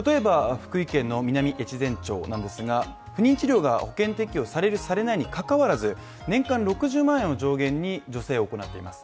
例えば福井県の南越前町なんですが、不妊治療が保険適用されるされないに関わらず、年間６０万円を上限に助成を行っています。